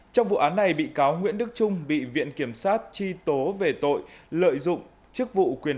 trong vụ án này bị cáo nguyễn đức trung bị viện kiểm sát truy tố về tội lợi dụng chức vụ quyền